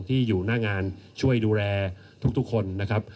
ที่อยู่หน้างานช่วยดูแลทุกคนนะครับ